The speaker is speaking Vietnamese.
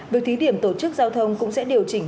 việc thí điểm tổ chức giao thông cũng sẽ điều chỉnh